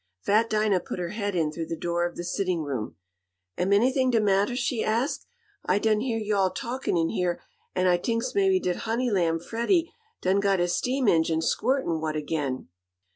Fat Dinah put her head in through the door of the sitting room. "Am anyt'ing de mattah?" she asked. "I done heah yo' all talkin' in heah, an' I t'inks maybe dat honey lamb Freddie done got his steam enjine squirtin' watah ag'in."